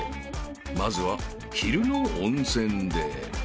［まずは昼の温泉で］